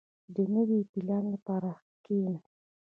• د نوي پلان لپاره کښېنه.